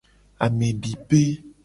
Amedipe.